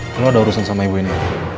karena ada urusan sama ibu ini